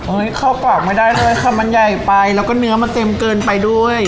เข้ากรอบไม่ได้เลยค่ะมันใหญ่ไปแล้วก็เนื้อมันเต็มเกินไปด้วย